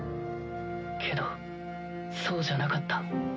けどそうじゃなかった。